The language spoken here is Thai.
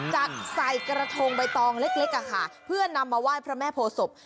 จัดใส่กระทงใบตองเล็กเพื่อนำมาไหว้พระแม่โพศพ